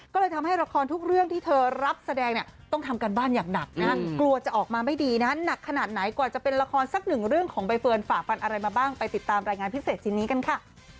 ก็เลยทำให้ละครทุกเรื่องที่เธอรับแสดงเนี่ยต้องทำการบ้านอย่างหนักนะกลัวจะออกมาไม่ดีนะหนักขนาดไหนกว่าจะเป็นละครสักหนึ่งเรื่องของใบเฟิร์นฝากฟันอะไรมาบ้างไปติดตามรายงานพิเศษชิ้นนี้กันค่ะ